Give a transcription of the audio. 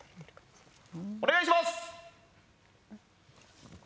お願いします！